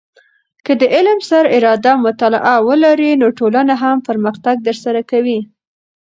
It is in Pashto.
که د علم سر اراده مطالعه ولرې، نو ټولنه هم پرمختګ در سره کوي.